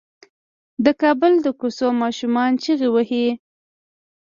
د کابل د کوڅو ماشومان چيغې وهي.